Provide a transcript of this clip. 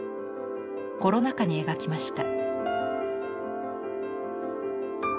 コロナ禍に描きました。